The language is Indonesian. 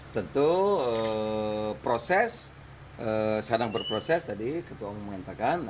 tentu proses sedang berproses tadi ketua umum mengatakan